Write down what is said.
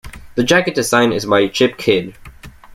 The jacket design is by Chip Kidd.